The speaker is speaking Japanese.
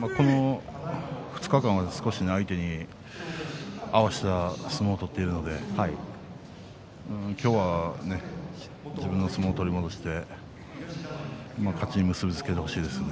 この２日間は少し相手に合わせた相撲を取っているので今日は自分の相撲を取り戻して勝ちに結び付けてほしいですね。